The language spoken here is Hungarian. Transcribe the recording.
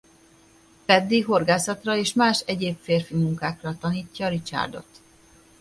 Paddy horgászatra és más egyéb férfi munkákra tanítja Richardot.